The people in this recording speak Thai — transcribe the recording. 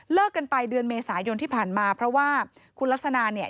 กันไปเดือนเมษายนที่ผ่านมาเพราะว่าคุณลักษณะเนี่ย